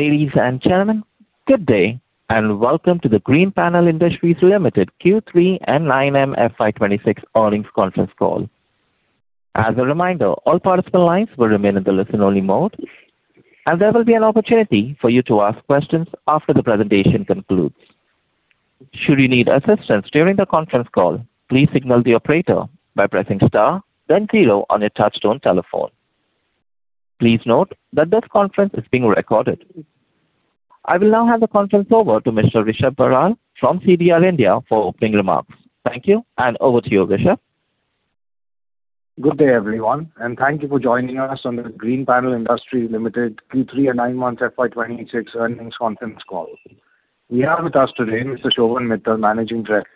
Ladies and gentlemen, good day, and welcome to the Greenpanel Industries Limited Q3 and 9M FY26 earnings conference call. As a reminder, all participant lines will remain in the listen-only mode, and there will be an opportunity for you to ask questions after the presentation concludes. Should you need assistance during the conference call, please signal the operator by pressing star then zero on your touchtone telephone. Please note that this conference is being recorded. I will now hand the conference over to Mr. Rishab Barar from CDR India for opening remarks. Thank you, and over to you, Rishab. Good day, everyone, and thank you for joining us on the Greenpanel Industries Limited Q3 and nine months FY 2026 earnings conference call. We have with us today Mr. Shobhan Mittal, Managing Director,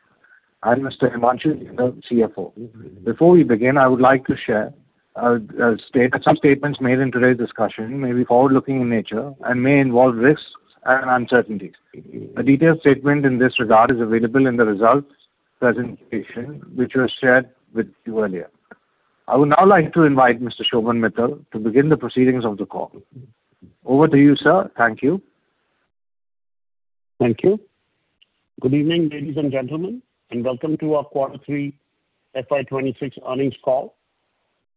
and Mr. Himanshu Jindal, CFO. Before we begin, I would like to state some statements made in today's discussion may be forward-looking in nature and may involve risks and uncertainties. A detailed statement in this regard is available in the results presentation, which was shared with you earlier. I would now like to invite Mr. Shobhan Mittal to begin the proceedings of the call. Over to you, sir. Thank you. Thank you. Good evening, ladies and gentlemen, and welcome to our Quarter Three FY 2026 earnings call.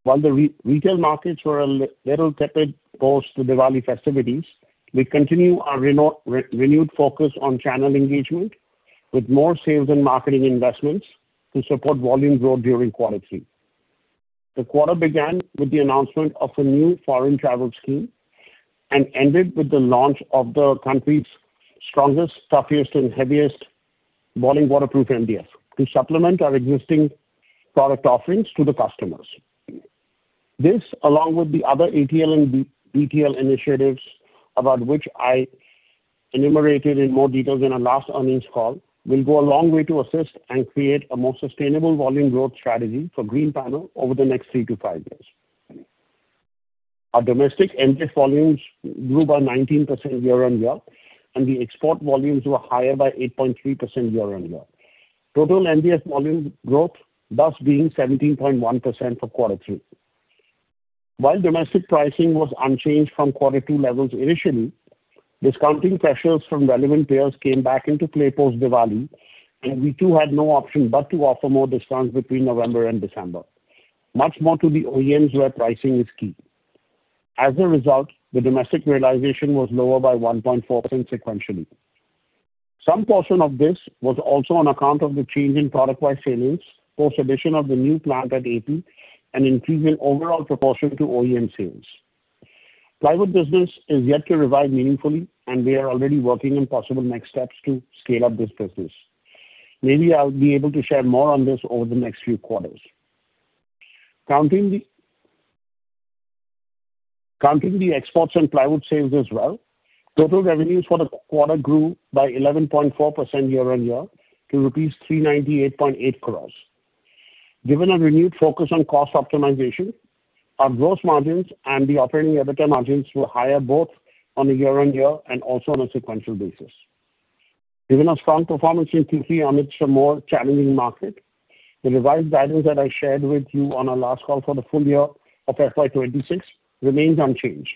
While the retail markets were a little tepid post the Diwali festivities, we continue our renewed focus on channel engagement with more sales and marketing investments to support volume growth during quarter 3. The quarter began with the announcement of a new foreign travel scheme and ended with the launch of the country's strongest, toughest, and heaviest boiling waterproof MDF to supplement our existing product offerings to the customers. This, along with the other ATL and BTL initiatives, about which I enumerated in more detail than our last earnings call, will go a long way to assist and create a more sustainable volume growth strategy for Greenpanel over the next three to five years. Our domestic MDF volumes grew by 19% year-on-year, and the export volumes were higher by 8.3% year-on-year. Total MDF volume growth thus being 17.1% for quarter three. While domestic pricing was unchanged from quarter two levels initially, discounting pressures from relevant players came back into play post-Diwali, and we too had no option but to offer more discounts between November and December, much more to the OEMs, where pricing is key. As a result, the domestic realization was lower by 1.4% sequentially. Some portion of this was also on account of the change in product-wide sales, post addition of the new plant at AP, and increase in overall proportion to OEM sales. Plywood business is yet to revive meaningfully, and we are already working on possible next steps to scale up this business. Maybe I'll be able to share more on this over the next few quarters. Counting the exports and plywood sales as well, total revenues for the quarter grew by 11.4% year-on-year to rupees 398.8 crores. Given a renewed focus on cost optimization, our gross margins and the operating EBITDA margins were higher, both on a year-on-year and also on a sequential basis. Given our strong performance in Q3 amidst a more challenging market, the revised guidance that I shared with you on our last call for the full year of FY 2026 remains unchanged.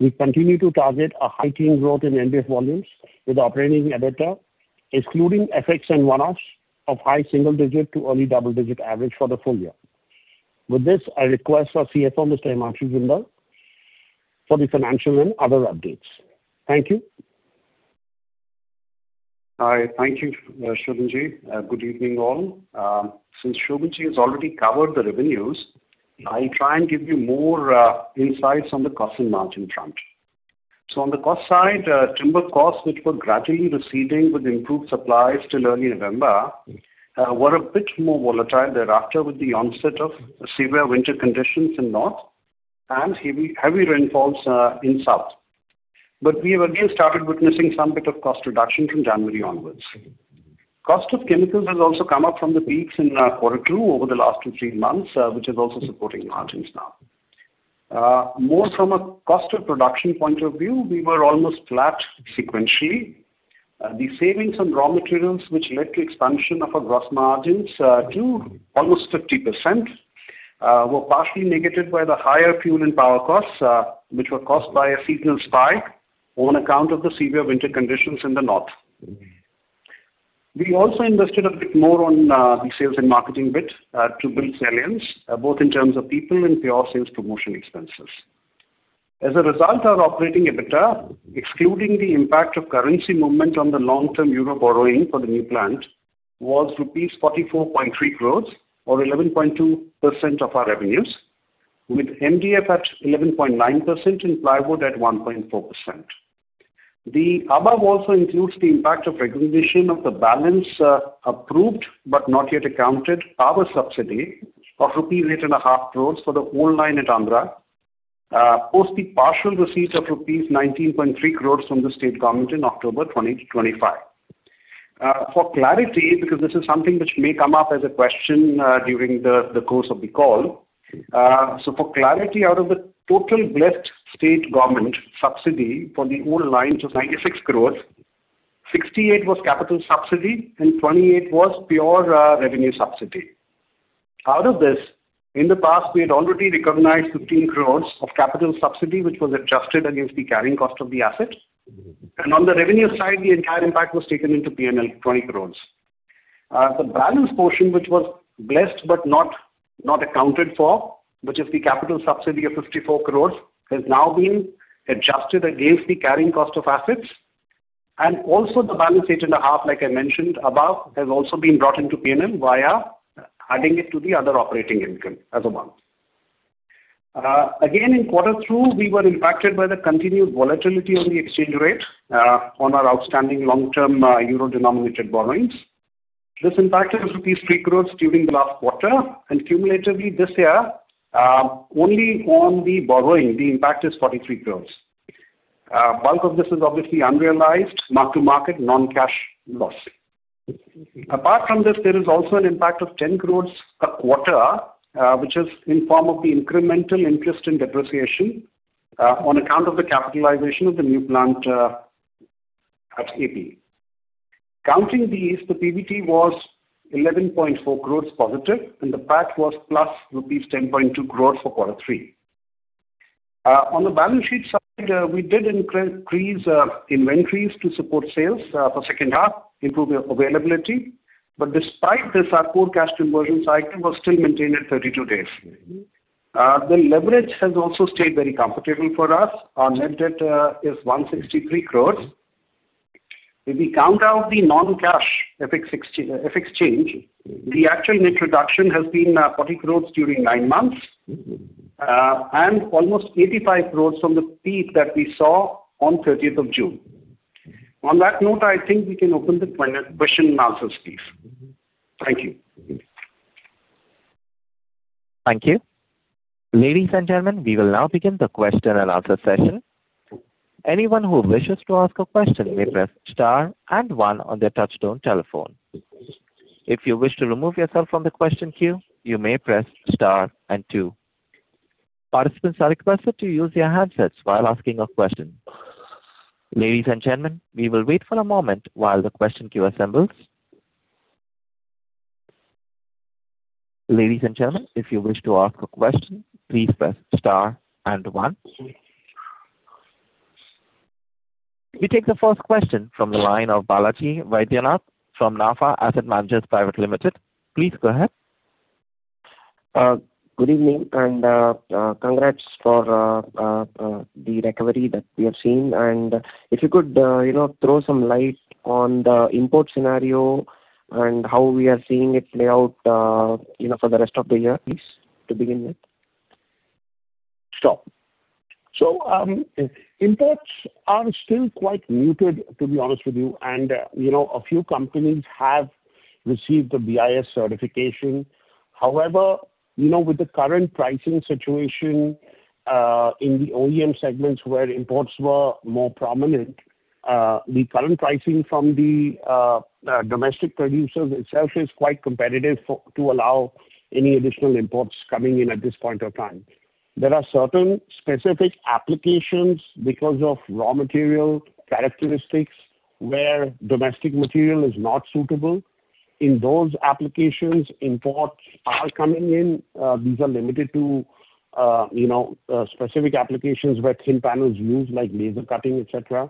We continue to target a high-teens growth in MDF volumes, with operating EBITDA, excluding effects and one-offs of high single-digit to early double-digit average for the full year. With this, I request our CFO, Mr. Himanshu Jindal, for the financial and other updates. Thank you. Hi. Thank you, Shobhan Ji. Good evening, all. Since Shobhan Ji has already covered the revenues, I'll try and give you more insights on the cost and margin front. So on the cost side, timber costs, which were gradually receding with improved supplies till early November, were a bit more volatile thereafter, with the onset of severe winter conditions in north and heavy, heavy rainfalls in south. But we have again started witnessing some bit of cost reduction from January onwards. Cost of chemicals has also come up from the peaks in quarter two over the last two, three months, which is also supporting margins now. More from a cost of production point of view, we were almost flat sequentially. The savings on raw materials, which led to expansion of our gross margins to almost 50%, were partially negated by the higher fuel and power costs, which were caused by a seasonal spike on account of the severe winter conditions in the north. We also invested a bit more on the sales and marketing bit to build salience, both in terms of people and pure sales promotion expenses. As a result, our operating EBITDA, excluding the impact of currency movement on the long-term euro borrowing for the new plant, was rupees 44.3 crores, or 11.2% of our revenues, with MDF at 11.9% and plywood at 1.4%. The above also includes the impact of recognition of the balance, approved, but not yet accounted power subsidy of rupees 8.5 crore for the old line at Andhra, post the partial receipts of rupees 19.3 crore from the state government in October 2025. For clarity, because this is something which may come up as a question, during the course of the call. So for clarity, out of the total blessed state government subsidy for the old lines of 96 crore, 68 was capital subsidy and 28 was pure revenue subsidy. Out of this, in the past, we had already recognized 15 crore of capital subsidy, which was adjusted against the carrying cost of the assets. And on the revenue side, the entire impact was taken into P&L, 20 crore. The balance portion, which was blessed but not accounted for, which is the capital subsidy of 54 crores, has now been adjusted against the carrying cost of assets. Also the balance eight point five, like I mentioned above, has also been brought into P&L via adding it to the other operating income as a month. Again, in quarter two, we were impacted by the continued volatility on the exchange rate, on our outstanding long-term, euro-denominated borrowings. This impacted 3 crores during the last quarter, and cumulatively this year, only on the borrowing, the impact is 43 crores. Bulk of this is obviously unrealized, mark-to-market, non-cash loss. Apart from this, there is also an impact of 10 crore a quarter, which is in form of the incremental interest and depreciation, on account of the capitalization of the new plant, at AP. Counting these, the PBT was 11.4 crore positive, and the PAT was plus rupees 10.2 crore for quarter three. On the balance sheet side, we did increase inventories to support sales, for second half, improve the availability. But despite this, our core cash conversion cycle was still maintained at 32 days. Mm-hmm. The leverage has also stayed very comfortable for us. Our net debt is 163 crore. If we count out the non-cash FX change, the actual net reduction has been 40 crore during nine months. Mm-hmm. and almost 85 crore from the peak that we saw on 13th of June. On that note, I think we can open the final question and answers, please. Thank you. Thank you. Ladies and gentlemen, we will now begin the question and answer session. Anyone who wishes to ask a question may press star and one on their touchtone telephone. If you wish to remove yourself from the question queue, you may press star and two. Participants are requested to use their handsets while asking a question. Ladies and gentlemen, we will wait for a moment while the question queue assembles. Ladies and gentlemen, if you wish to ask a question, please press star and one. We take the first question from the line of Balaji Vaidyanath, from NAFA Asset Managers Private Limited. Please go ahead. Good evening, and congrats for the recovery that we have seen. If you could, you know, throw some light on the import scenario and how we are seeing it play out, you know, for the rest of the year, please, to begin with. Sure. So, imports are still quite muted, to be honest with you, and, you know, a few companies have received the BIS certification. However, you know, with the current pricing situation, in the OEM segments where imports were more prominent, the current pricing from the, domestic producers itself is quite competitive for, to allow any additional imports coming in at this point of time. There are certain specific applications because of raw material characteristics, where domestic material is not suitable. In those applications, imports are coming in. These are limited to, you know, specific applications where thin panels use, like laser cutting, et cetera.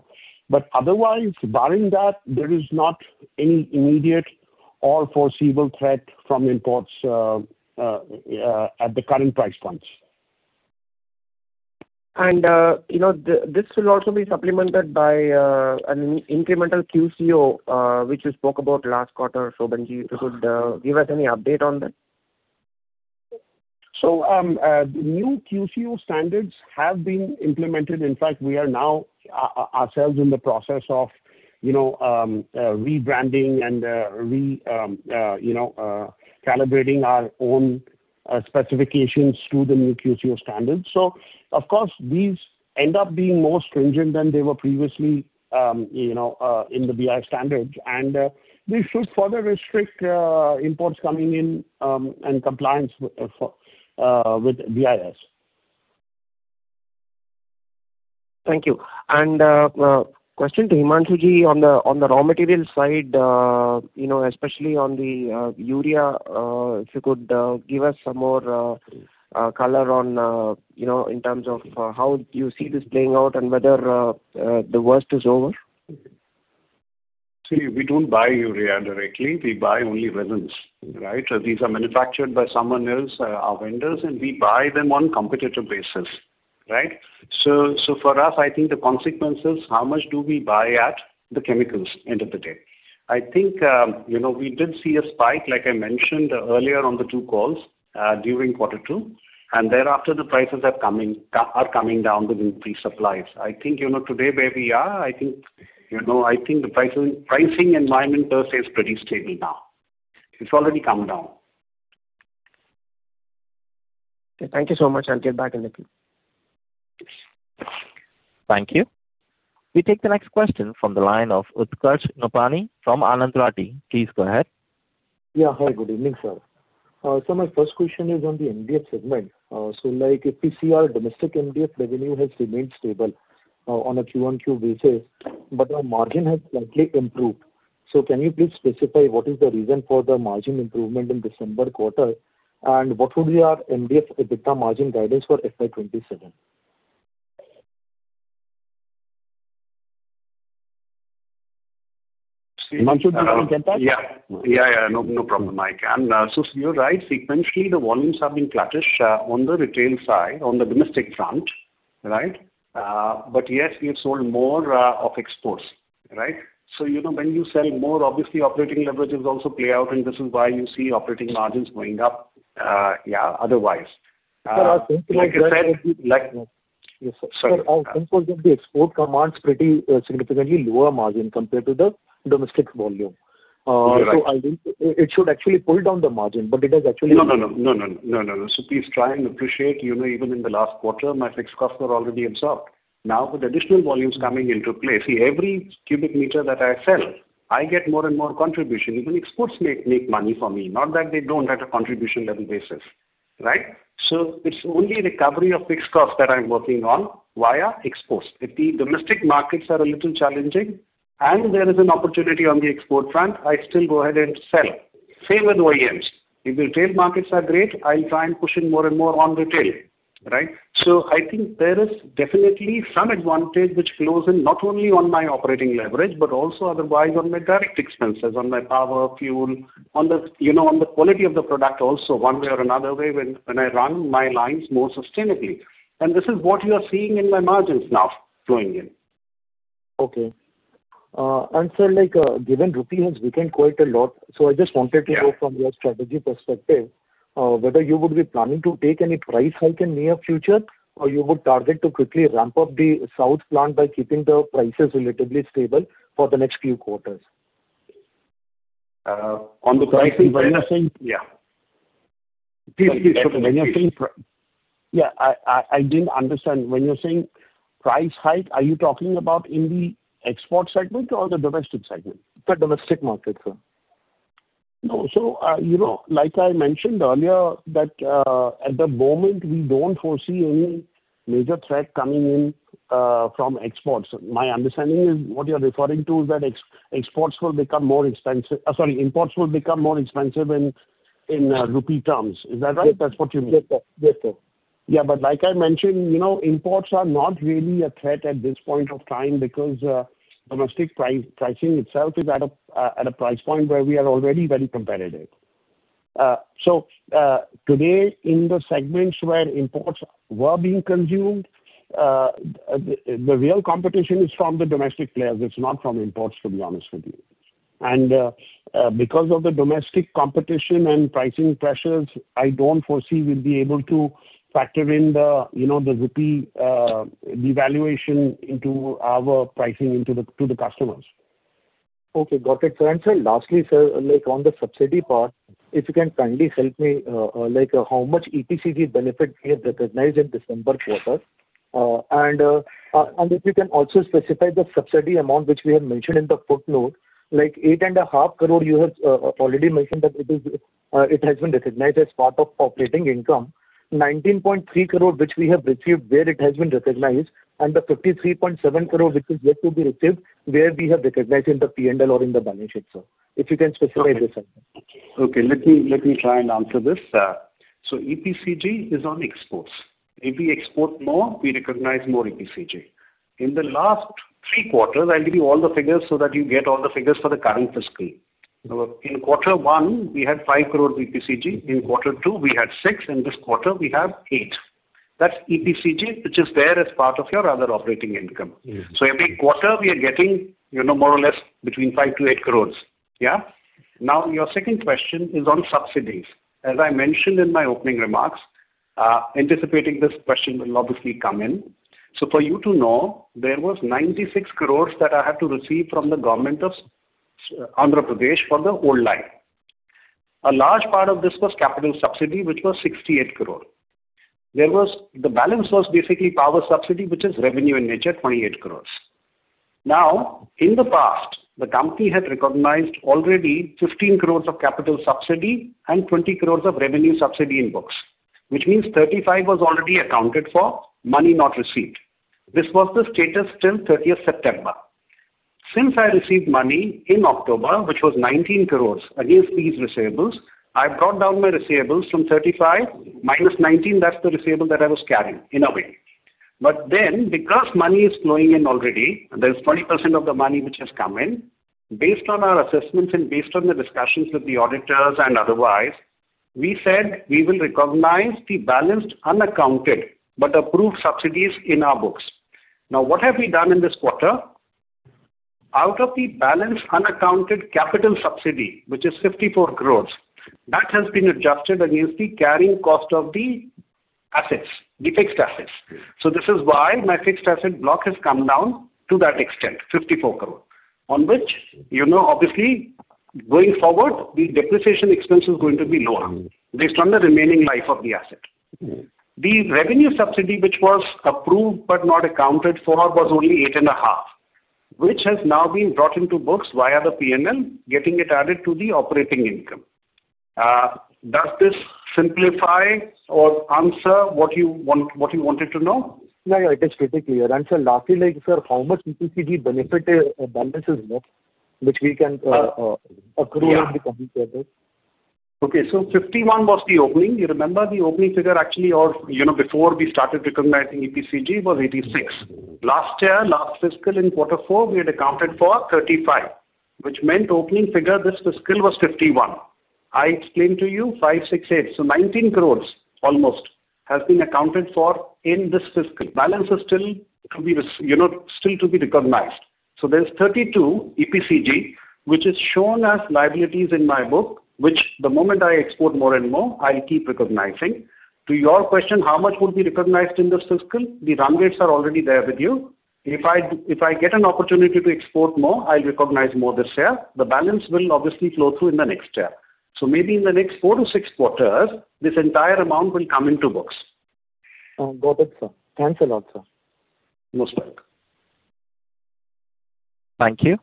But otherwise, barring that, there is not any immediate or foreseeable threat from imports, at the current price points. You know, this will also be supplemented by an incremental QCO, which you spoke about last quarter. Shobhan Ji, if you could give us any update on that? So, the new QCO standards have been implemented. In fact, we are now ourselves in the process of, you know, rebranding and recalibrating our own specifications to the new QCO standards. So of course, these end up being more stringent than they were previously, you know, in the BIS standards. And, this should further restrict imports coming in and compliance with, with BIS. Thank you. Question to Himanshu Ji on the raw material side, you know, especially on the urea, if you could give us some more color on, you know, in terms of how you see this playing out and whether the worst is over? See, we don't buy urea directly. We buy only resins, right? These are manufactured by someone else, our vendors, and we buy them on competitive basis, right? So for us, I think the consequence is how much do we buy at the chemicals end of the day. I think, you know, we did see a spike, like I mentioned earlier on the two calls, during quarter two, and thereafter, the prices are coming down with increased supplies. I think, you know, today where we are, I think, you know, I think the pricing environment per se is pretty stable now. It's already come down. Thank you so much. I'll get back with you. Thank you. We take the next question from the line of Utkarsh Nopany from Anand Rathi. Please go ahead.... Yeah. Hi, good evening, sir. So my first question is on the MDF segment. So like if our domestic MDF revenue has remained stable, on a Q-on-Q basis, but our margin has slightly improved. So can you please specify what is the reason for the margin improvement in December quarter? And what would be our MDF EBITDA margin guidance for FY 2027? Mansukh, did you get that? Yeah. Yeah, yeah, no, no problem. I can. So you're right, sequentially, the volumes have been flattish, on the retail side, on the domestic front, right? But yes, we have sold more, of exports, right? So, you know, when you sell more, obviously operating leverage is also play out, and this is why you see operating margins going up, yeah, otherwise. Like I said, like- Yes, sir. Sorry. I think all the export volumes pretty significantly lower margin compared to the domestic volume. You're right. So I think it should actually pull down the margin, but it has actually- No, no, no. No, no, no, no, no. So please try and appreciate, you know, even in the last quarter, my fixed costs were already absorbed. Now, with additional volumes coming into play, see, every cubic meter that I sell, I get more and more contribution. Even exports make money for me, not that they don't at a contribution level basis, right? So it's only recovery of fixed costs that I'm working on via exports. If the domestic markets are a little challenging and there is an opportunity on the export front, I still go ahead and sell. Same with OEMs. If retail markets are great, I'll try and push in more and more on retail, right? So I think there is definitely some advantage which flows in not only on my operating leverage, but also otherwise on my direct expenses, on my power, fuel, on the, you know, on the quality of the product also, one way or another way, when I run my lines more sustainably. And this is what you are seeing in my margins now flowing in. Okay. Sir, like, given rupee has weakened quite a lot, so I just wanted to- Yeah. know from your strategy perspective, whether you would be planning to take any price hike in near future, or you would target to quickly ramp up the south plant by keeping the prices relatively stable for the next few quarters? On the pricing- When you're saying- Yeah. Please, please. Yeah, I didn't understand. When you're saying price hike, are you talking about in the export segment or the domestic segment? The domestic market, sir. No, so, you know, like I mentioned earlier, that at the moment, we don't foresee any major threat coming in from exports. My understanding is what you're referring to is that ex-exports will become more expensive, sorry, imports will become more expensive in rupee terms. Is that right? That's what you mean. Yes, sir. Yes, sir. Yeah, but like I mentioned, you know, imports are not really a threat at this point of time because domestic pricing itself is at a price point where we are already very competitive. So, today, in the segments where imports were being consumed, the real competition is from the domestic players. It's not from imports, to be honest with you. And, because of the domestic competition and pricing pressures, I don't foresee we'll be able to factor in the, you know, the rupee devaluation into our pricing to the customers. Okay, got it. So and sir, lastly, sir, like on the subsidy part, if you can kindly help me, like how much EPCG benefit we have recognized in December quarter? And, and if you can also specify the subsidy amount which we have mentioned in the footnote, like, 8.5 crore, you have, already mentioned that it is, it has been recognized as part of operating income. 19.3 crore, which we have received, where it has been recognized, and the 53.7 crore, which is yet to be received, where we have recognized in the P&L or in the balance sheet, sir. If you can specify this. Okay. Let me try and answer this. So EPCG is on exports. If we export more, we recognize more EPCG. In the last three quarters, I'll give you all the figures so that you get all the figures for the current fiscal. In quarter one, we had 5 crore EPCG. In quarter two, we had 6 crore, and this quarter, we have 8 crore. That's EPCG, which is there as part of your other operating income. Mm-hmm. So every quarter, we are getting, you know, more or less between 5-8 crores. Yeah? Now, your second question is on subsidies. As I mentioned in my opening remarks, anticipating this question will obviously come in. So for you to know, there was 96 crores that I had to receive from the Government of Andhra Pradesh for the old line. A large part of this was capital subsidy, which was 68 crore. There was. The balance was basically power subsidy, which is revenue in nature, 28 crores. Now, in the past, the company had recognized already 15 crores of capital subsidy and 20 crores of revenue subsidy in books, which means 35 was already accounted for, money not received. This was the status till thirtieth September. Since I received money in October, which was 19 crore against these receivables, I've brought down my receivables from 35 minus 19. That's the receivable that I was carrying, in a way. But then, because money is flowing in already, there is 20% of the money which has come in, based on our assessments and based on the discussions with the auditors and otherwise, we said we will recognize the balance, unaccounted, but approved subsidies in our books. Now, what have we done in this quarter? Out of the balance, unaccounted capital subsidy, which is 54 crore, that has been adjusted against the carrying cost of the assets, the fixed assets. Mm. This is why my fixed asset block has come down to that extent, 54 crore, on which, you know, obviously, going forward, the depreciation expense is going to be lower. Mm. based on the remaining life of the asset. Mm. The revenue subsidy, which was approved but not accounted for, was only 8.5, which has now been brought into books via the PNL, getting it added to the operating income. Does this simplify or answer what you want, what you wanted to know? Yeah, yeah, it is pretty clear. And sir, lastly, like, sir, how much EPCG benefit balances left, which we can accrue in the coming quarters? Okay, so 51 was the opening. You remember the opening figure actually of, you know, before we started recognizing EPCG was 86. Last year, last fiscal in quarter four, we had accounted for 35, which meant opening figure this fiscal was 51. I explained to you 5, 6, 8, so 19 crores almost has been accounted for in this fiscal. Balance is still to be recognized. So there's 32 crores EPCG, which is shown as liabilities in my book, which the moment I export more and more, I'll keep recognizing. To your question, how much would be recognized in this fiscal? The run rates are already there with you. If I, if I get an opportunity to export more, I'll recognize more this year. The balance will obviously flow through in the next year. Maybe in the next 4-6 quarters, this entire amount will come into books. Got it, sir. Thanks a lot, sir. Most welcome. Thank you.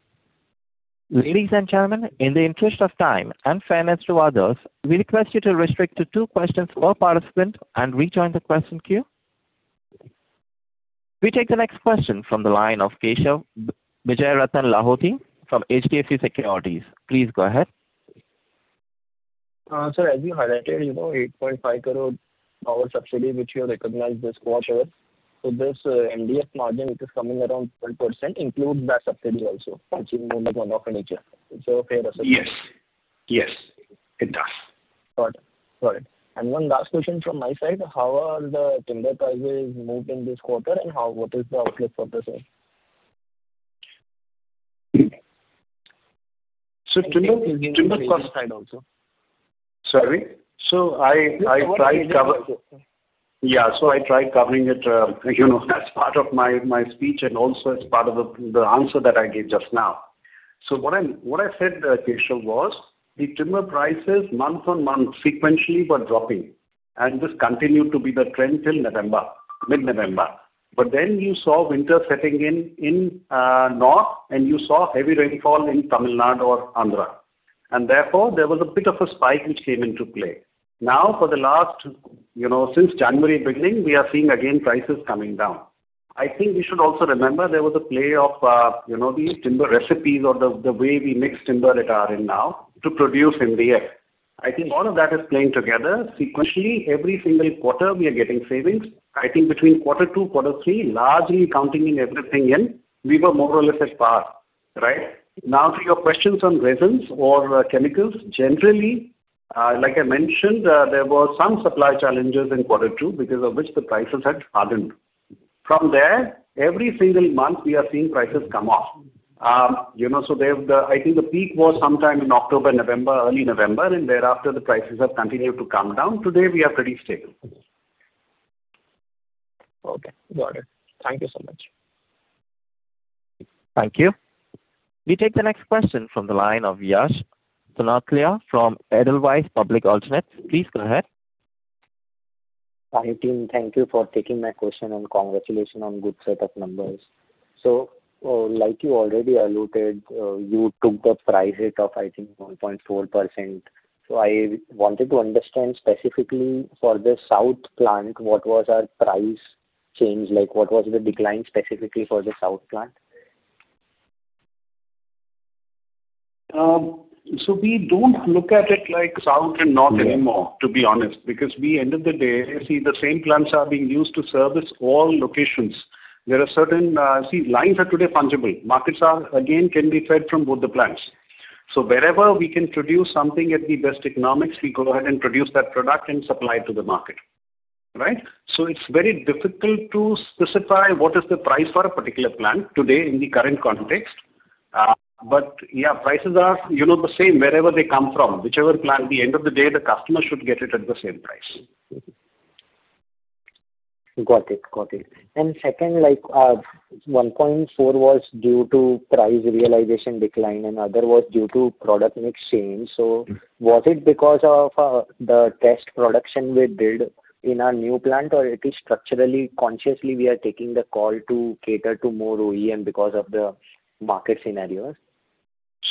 Ladies and gentlemen, in the interest of time and fairness to others, we request you to restrict to two questions per participant and rejoin the question queue. We take the next question from the line of Keshav Lahoti from HDFC Securities. Please go ahead. Sir, as you highlighted, you know, 8.5 crore power subsidy, which you recognized this quarter. So this MDF margin, which is coming around 12%, includes that subsidy also, achieving on account of a year. Is that a fair assumption? Yes. Yes, it does. Got it. Got it. And one last question from my side: How are the timber prices moved in this quarter, and how, what is the outlook for the same? So timber, timber price slide also. So I tried covering it, you know, as part of my speech and also as part of the answer that I gave just now. So what I said, Keshav, was the timber prices month-on-month sequentially were dropping, and this continued to be the trend till November, mid-November. But then you saw winter setting in, in North, and you saw heavy rainfall in Tamil Nadu or Andhra, and therefore there was a bit of a spike which came into play. Now, for the last, you know, since January beginning, we are seeing again prices coming down. I think we should also remember there was a play of, you know, the timber recipes or the way we mix timber at our end now to produce MDF. I think all of that is playing together. Sequentially, every single quarter, we are getting savings. I think between quarter two, quarter three, largely counting in everything in, we were more or less at par, right? Now, to your questions on resins or chemicals, generally, like I mentioned, there were some supply challenges in quarter two, because of which the prices had hardened. From there, every single month, we are seeing prices come off. You know, so they have the... I think the peak was sometime in October, November, early November, and thereafter, the prices have continued to come down. Today, we are pretty stable. Okay, got it. Thank you so much. Thank you. We take the next question from the line of Yash Sonthalia from Edelweiss Alternatives. Please go ahead. Hi, team. Thank you for taking my question, and congratulations on good set of numbers. So, like you already alluded, you took the price hit of, I think, 1.4%. So I wanted to understand specifically for the south plant, what was our price change? Like, what was the decline specifically for the south plant? So we don't look at it like south and north anymore, to be honest, because we, end of the day, see the same plants are being used to service all locations. There are certain... See, lines are today fungible. Markets are, again, can be fed from both the plants. So wherever we can produce something at the best economics, we go ahead and produce that product and supply it to the market, right? So it's very difficult to specify what is the price for a particular plant today in the current context. But yeah, prices are, you know, the same wherever they come from, whichever plant. At the end of the day, the customer should get it at the same price. Got it. Got it. And second, like, 1.4 was due to price realization decline, and other was due to product mix change. Mm-hmm. So was it because of the test production we did in our new plant, or it is structurally, consciously, we are taking the call to cater to more OEM because of the market scenarios?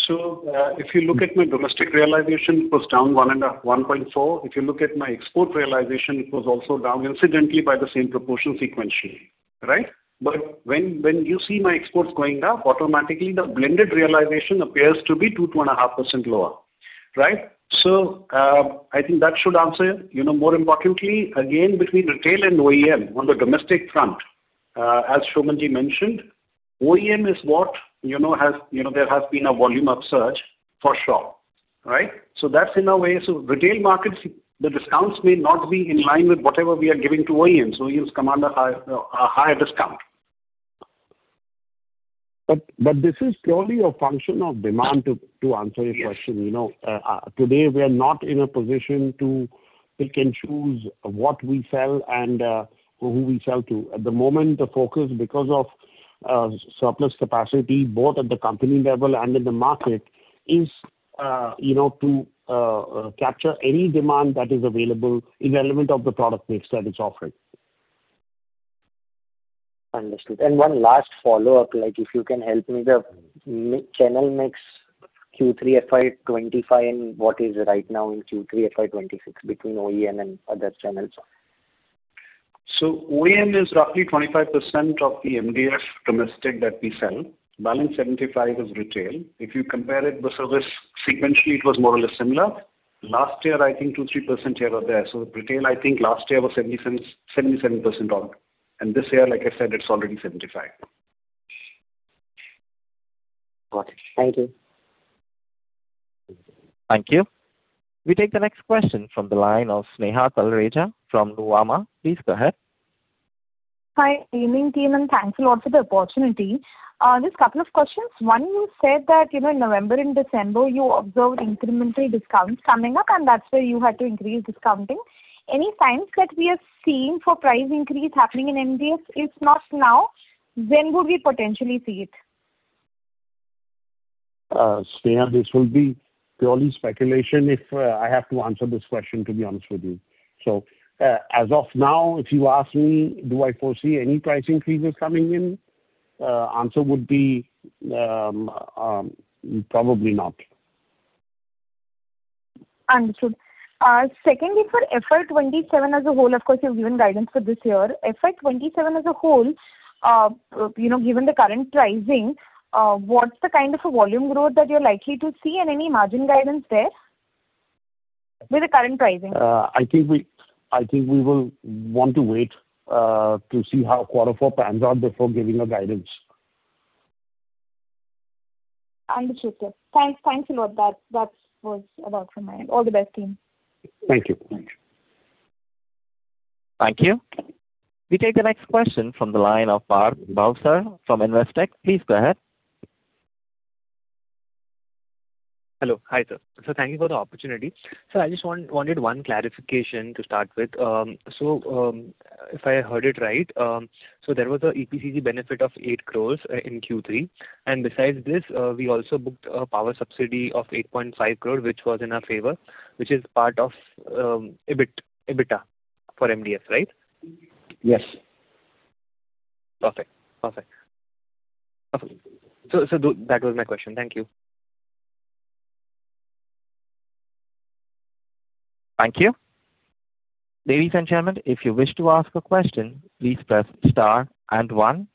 So, if you look at my domestic realization, it was down 1.4. If you look at my export realization, it was also down, incidentally, by the same proportion sequentially, right? But when you see my exports going up, automatically, the blended realization appears to be 2%-2.5% lower, right? So, I think that should answer you. You know, more importantly, again, between retail and OEM on the domestic front, as Shobhan Ji mentioned, OEM is what you know has, you know, there has been a volume upsurge for sure, right? So that's in a way... So retail markets, the discounts may not be in line- Mm-hmm. with whatever we are giving to OEMs. OEMs come under high, a higher discount. But this is purely a function of demand, to answer your question. Yes. You know, today, we are not in a position to pick and choose what we sell and who we sell to. At the moment, the focus, because of surplus capacity, both at the company level and in the market, is, you know, to capture any demand that is available, irrelevant of the product mix that it's offering. ...Understood. One last follow-up, like, if you can help me, the channel mix Q3 FY 2025, and what is right now in Q3 FY 2026 between OEM and other channels? So OEM is roughly 25% of the MDF domestic that we sell. Balance 75% is retail. If you compare it with service, sequentially, it was more or less similar. Last year, I think 2%-3% here or there. So retail, I think last year was 77%, 77% odd, and this year, like I said, it's already 75%. Got it. Thank you. Thank you. We take the next question from the line of Sneha Talreja from Nuvama. Please go ahead. Hi, evening, team, and thanks a lot for the opportunity. Just a couple of questions. One, you said that, you know, in November and December, you observed incremental discounts coming up, and that's where you had to increase discounting. Any signs that we are seeing for price increase happening in MDF? If not now, when would we potentially see it? Sneha, this will be purely speculation if I have to answer this question, to be honest with you. So, as of now, if you ask me, do I foresee any price increases coming in? Answer would be, probably not. Understood. Secondly, for FY 27 as a whole, of course, you've given guidance for this year. FY 27 as a whole, you know, given the current pricing, what's the kind of a volume growth that you're likely to see and any margin guidance there with the current pricing? I think we, I think we will want to wait to see how quarter four pans out before giving a guidance. Understood, yes. Thanks, thanks a lot. That was about from my end. All the best, team. Thank you. Thank you. We take the next question from the line of Parth Bhavsar from Investec. Please go ahead. Hello. Hi, sir. So thank you for the opportunity. Sir, I just wanted one clarification to start with. So, if I heard it right, so there was a EPCG benefit of 8 crore in Q3, and besides this, we also booked a power subsidy of 8.5 crore, which was in our favor, which is part of EBIT, EBITDA for MDF, right? Yes. Perfect. Perfect. So, so that was my question. Thank you. Thank you. Ladies and gentlemen, if you wish to ask a question, please press star and one.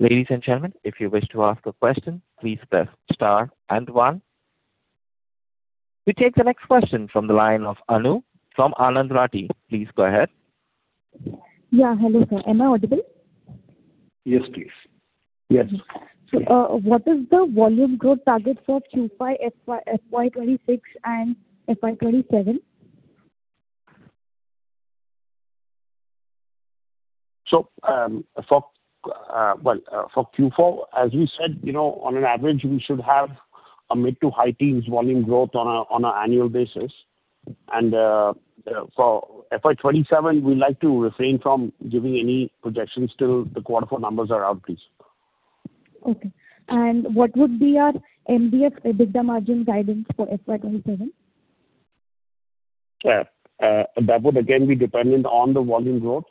Ladies and gentlemen, if you wish to ask a question, please press star and one. We take the next question from the line of Anu from Anand Rathi. Please go ahead. Yeah. Hello, sir. Am I audible? Yes, please. Yes. What is the volume growth target for Q4 FY, FY 2026 and FY 2027? For Q4, as we said, you know, on an average, we should have a mid- to high-teens volume growth on an annual basis. For FY 2027, we'd like to refrain from giving any projections till the quarter four numbers are out, please. Okay. And what would be our MDF EBITDA margin guidance for FY 2027? Yeah. That would again be dependent on the volume growth.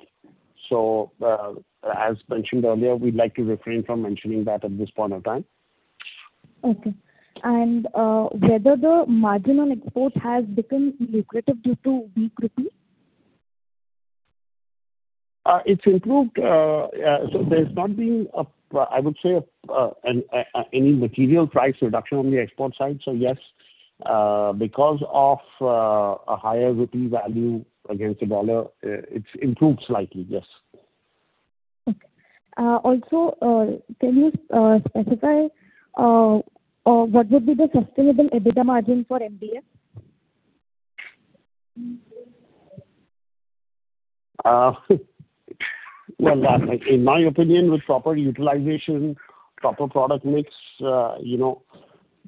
So, as mentioned earlier, we'd like to refrain from mentioning that at this point of time. Okay. And whether the margin on export has become lucrative due to weak rupee? It's improved. So there's not been a, I would say, any material price reduction on the export side. So yes, because of a higher rupee value against the dollar, it's improved slightly, yes. Okay. Also, can you specify what would be the sustainable EBITDA margin for MDF? Well, that, in my opinion, with proper utilization, proper product mix, you know,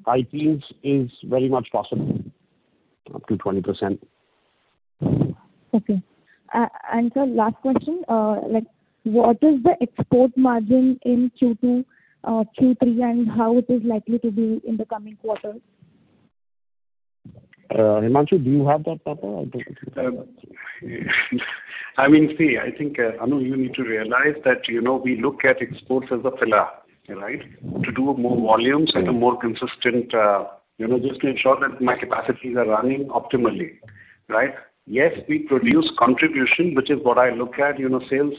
high teens is very much possible, up to 20%. Okay. Sir, last question. Like, what is the export margin in Q2, Q3, and how it is likely to be in the coming quarters? Himanshu, do you have that data? I'll take it... Sure. I mean, see, I think, Anu, you need to realize that, you know, we look at exports as a filler, right? To do more volumes at a more consistent, you know, just to ensure that my capacities are running optimally, right? Yes, we produce contribution, which is what I look at, you know, sales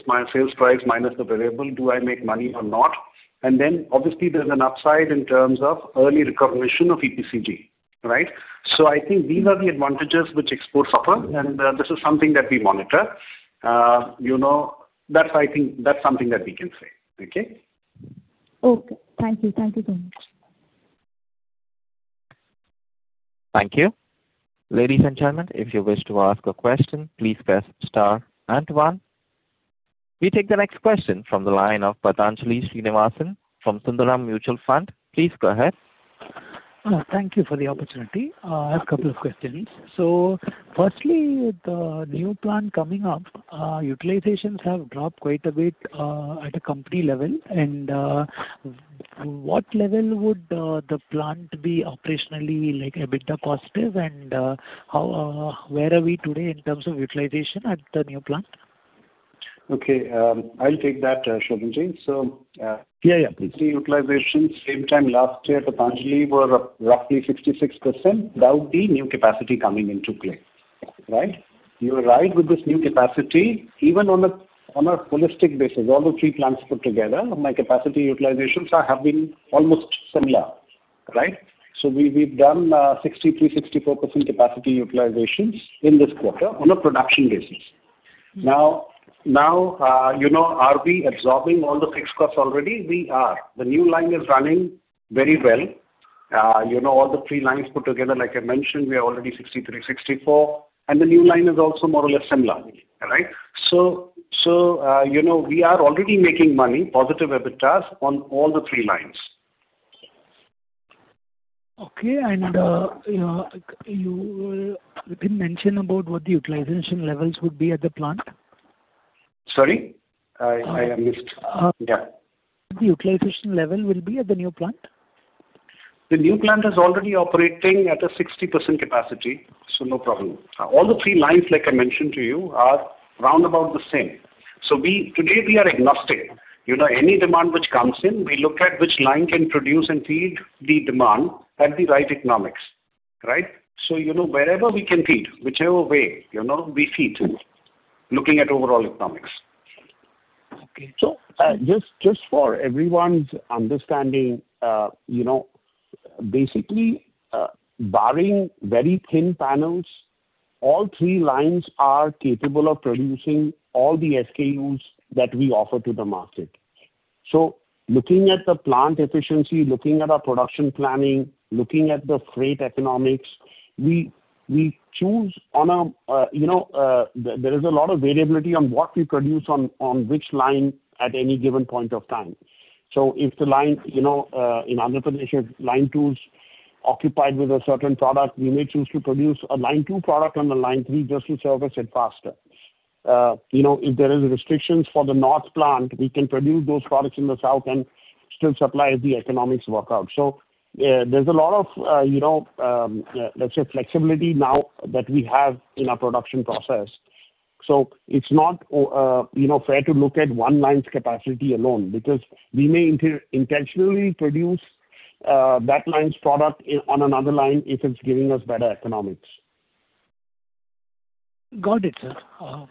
price minus the variable. Do I make money or not? And then, obviously, there's an upside in terms of early recognition of EPCG, right? So I think these are the advantages which exports offer, and, this is something that we monitor. You know, that's I think, that's something that we can say, okay? Okay. Thank you. Thank you very much. Thank you. Ladies and gentlemen, if you wish to ask a question, please press star and one. We take the next question from the line of Patanjali Srinivasan from Sundaram Mutual Fund. Please go ahead. Thank you for the opportunity. I have a couple of questions. So firstly, with the new plant coming up, utilizations have dropped quite a bit, at a company level, and,... And what level would the plant be operationally, like, EBITDA positive? And, how, where are we today in terms of utilization at the new plant? Okay, I'll take that, Shobhan. So, Yeah, yeah, please. The utilization same time last year, the Pantnagar were roughly 66%, without the new capacity coming into play, right? You are right, with this new capacity, even on a, on a holistic basis, all the three plants put together, my capacity utilizations are have been almost similar, right? So we, we've done, sixty-three, sixty-four percent capacity utilizations in this quarter on a production basis. Now, now, you know, are we absorbing all the fixed costs already? We are. The new line is running very well. You know, all the three lines put together, like I mentioned, we are already 63%-64%, and the new line is also more or less similar, all right? So, so, you know, we are already making money, positive EBITDAs on all the three lines. Okay. And, you know, you can mention about what the utilization levels would be at the plant? Sorry? I missed. Yeah. The utilization level will be at the new plant. The new plant is already operating at a 60% capacity, so no problem. All the three lines, like I mentioned to you, are round about the same. So today, we are agnostic. You know, any demand which comes in, we look at which line can produce and feed the demand at the right economics, right? So, you know, wherever we can feed, whichever way, you know, we feed, looking at overall economics. Okay. So, just, just for everyone's understanding, you know, basically, barring very thin panels, all three lines are capable of producing all the SKUs that we offer to the market. So looking at the plant efficiency, looking at our production planning, looking at the freight economics, we, we choose on a, you know, there is a lot of variability on what we produce on, on which line at any given point of time. So if the line, you know, in under position, line two's occupied with a certain product, we may choose to produce a line two product on the line three, just to service it faster. You know, if there is restrictions for the north plant, we can produce those products in the south and still supply if the economics work out. So, there's a lot of, you know, let's say, flexibility now that we have in our production process. So it's not, you know, fair to look at one line's capacity alone, because we may intentionally produce that line's product on another line if it's giving us better economics. Got it, sir. Okay.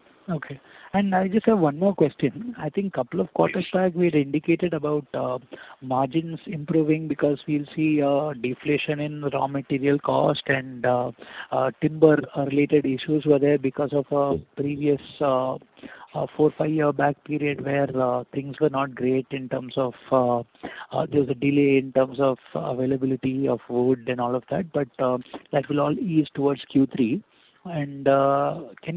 I just have one more question. I think couple of quarters back, we had indicated about margins improving because we'll see deflation in raw material cost and timber-related issues were there because of previous 4, 5-year back period, where things were not great in terms of there was a delay in terms of availability of wood and all of that, but that will all ease towards Q3. Can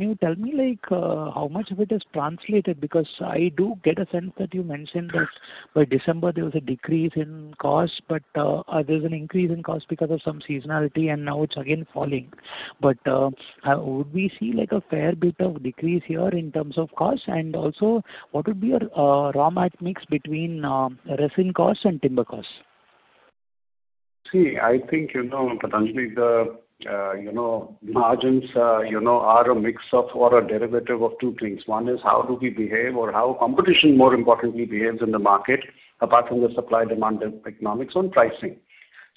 you tell me, like, how much of it is translated? Because I do get a sense that you mentioned that by December there was a decrease in cost, but there's an increase in cost because of some seasonality, and now it's again falling. Would we see, like, a fair bit of decrease here in terms of cost? Also, what would be your raw mat mix between resin costs and timber costs? See, I think, you know, Patanjali, the, you know, margins, you know, are a mix of or a derivative of two things. One is how do we behave or how competition, more importantly, behaves in the market, apart from the supply-demand economics on pricing.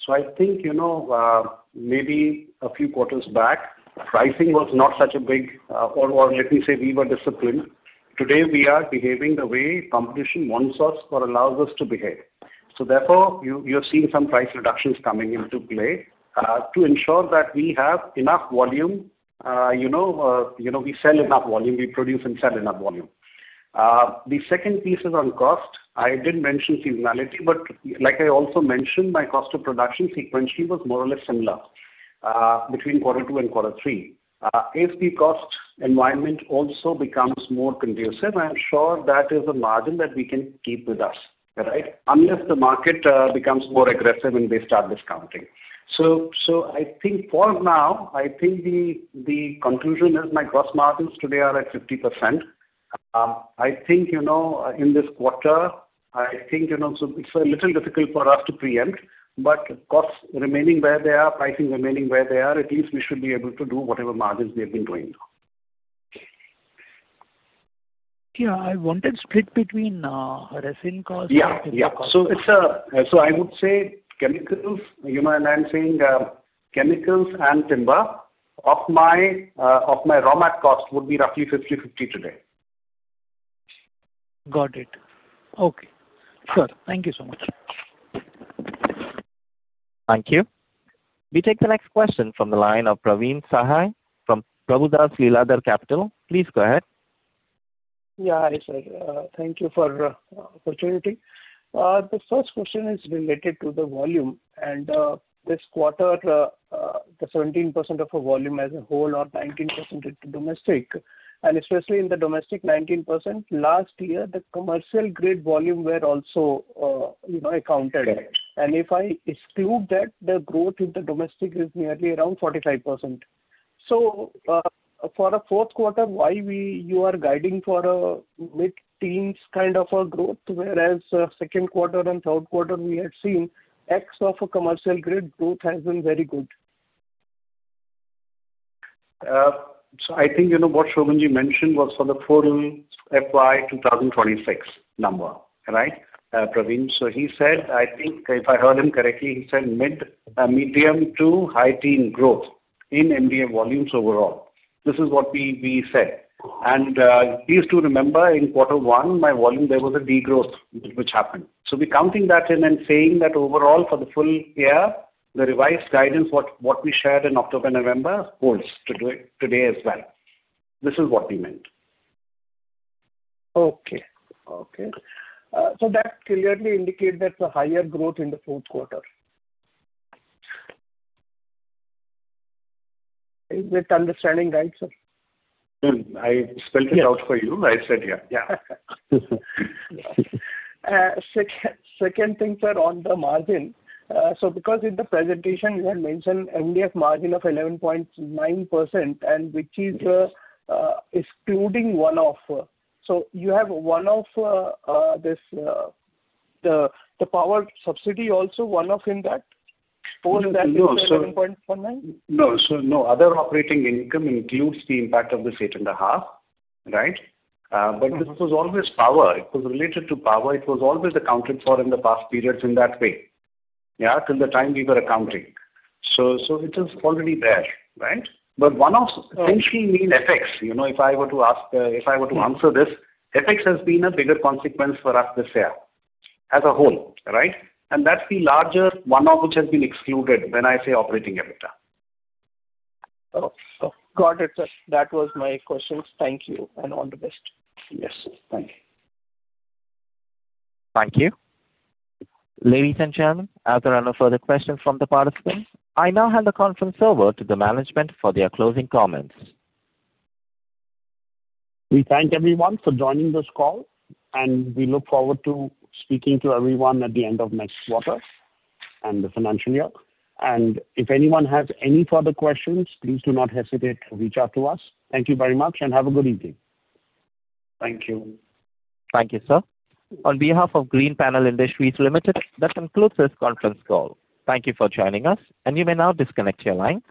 So I think, you know, maybe a few quarters back, pricing was not such a big, or, or let me say, we were disciplined. Today, we are behaving the way competition wants us or allows us to behave. So therefore, you, you're seeing some price reductions coming into play, to ensure that we have enough volume, you know, you know, we sell enough volume, we produce and sell enough volume. The second piece is on cost. I did mention seasonality, but like I also mentioned, my cost of production sequentially was more or less similar between quarter two and quarter three. If the cost environment also becomes more conducive, I am sure that is a margin that we can keep with us, right? Unless the market becomes more aggressive and they start discounting. So I think for now, I think the conclusion is my gross margins today are at 50%. I think, you know, in this quarter, I think, you know, so it's a little difficult for us to preempt, but costs remaining where they are, pricing remaining where they are, at least we should be able to do whatever margins we have been doing. Yeah, I wanted split between resin costs- Yeah, yeah. and timber costs. So I would say chemicals, you know, and I'm saying chemicals and timber of my raw mat costs would be roughly 50/50 today. Got it. Okay, sure. Thank you so much. Thank you. We take the next question from the line of Praveen Sahay from Prabhudas Lilladher Capital. Please go ahead. Yeah, hi, sir. Thank you for opportunity. The first question is related to the volume, and this quarter, the 17% of the volume as a whole or 19% is domestic. Especially in the domestic 19%, last year, the commercial grade volume were also, you know, accounted. If I exclude that, the growth in the domestic is nearly around 45%. So, for the fourth quarter, why we, you are guiding for a mid-teens kind of a growth, whereas second quarter and third quarter, we had seen commercial grade growth has been very good? So I think you know what Shobhan mentioned was for the full FY 2026 number, right, Praveen? So he said, I think if I heard him correctly, he said mid-teens to high-teens growth in MDF volumes overall. This is what we, we said. And please do remember, in quarter one, my volume there was a degrowth which happened. So we're counting that in and saying that overall, for the full year, the revised guidance, what, what we shared in October, November, holds today, today as well. This is what we meant. Okay. Okay. So that clearly indicate that the higher growth in the fourth quarter. Is that understanding right, sir? Hmm, I spelled it out for you. I said, yeah. Yeah. Second thing, sir, on the margin. So because in the presentation you had mentioned MDF margin of 11.9%, and which is excluding one-off. So you have one-off, this, the power subsidy also one-off in that? For 11.9. No. So no, other operating income includes the impact of this 8.5, right? But this was always power. It was related to power. It was always accounted for in the past periods in that way, yeah, till the time we were accounting. So, so it is already there, right? But one-off essentially means FX. You know, if I were to ask, if I were to answer this, FX has been a bigger consequence for us this year as a whole, right? And that's the larger one-off which has been excluded when I say operating EBITDA. Oh, oh, got it, sir. That was my questions. Thank you, and all the best. Yes, thank you. Thank you. Ladies and gentlemen, as there are no further questions from the participants, I now hand the conference over to the management for their closing comments. We thank everyone for joining this call, and we look forward to speaking to everyone at the end of next quarter and the financial year. If anyone has any further questions, please do not hesitate to reach out to us. Thank you very much and have a good evening. Thank you. Thank you, sir. On behalf of Greenpanel Industries Limited, that concludes this conference call. Thank you for joining us, and you may now disconnect your line.